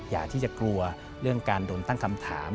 อย่าที่จะกลัวเรื่องการโดนตั้งคำถาม